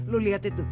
lu lihat itu